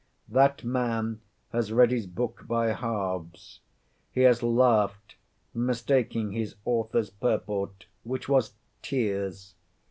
That man has read his book by halves; he has laughed, mistaking his author's purport, which was—tears.